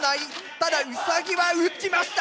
ただウサギは打ちました！